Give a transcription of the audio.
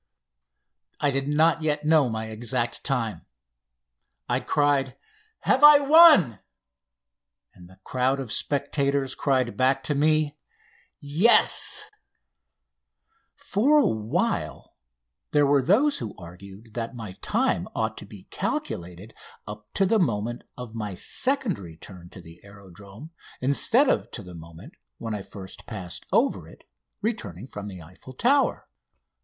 I did not yet know my exact time. I cried: "Have I won?" And the crowd of spectators cried back to me: "Yes!" [Illustration: ROUND EIFFEL TOWER] For a while there were those who argued that my time ought to be calculated up to the moment of my second return to the aerodrome instead of to the moment when I first passed over it, returning from the Eiffel Tower.